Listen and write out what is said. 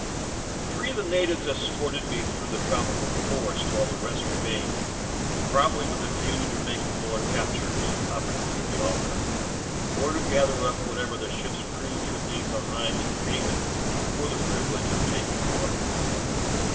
"Three of the natives escorted me through the tropical forest while the rest remained, probably with a view to making more captures if opportu nity offered, or to gather up whatever the ship's 54 THE TALKING H ANDKERC IIIEI^. crew should leave behind in payment for the privi lege of taking water.